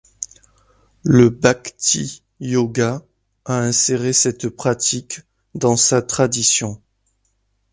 Le bhakti yoga a inséré cette pratique dans sa tradition.